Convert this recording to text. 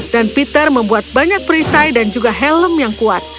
dan peter membuat banyak perisai dan juga helm yang kuat